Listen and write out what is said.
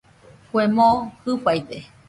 Kue moo Jɨfaide